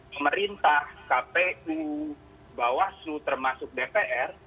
pemerintah kpu bawah seluruh termasuk dpr